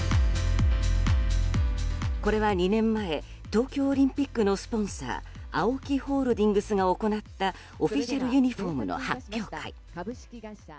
これは２年前東京オリンピックのスポンサーＡＯＫＩホールディングスが行ったオフィシャルユニホームの発表会。